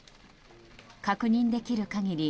確認できる限り